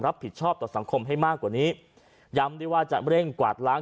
รับผิดชอบต่อสังคมให้มากกว่านี้ย้ำได้ว่าจะเร่งกวาดล้าง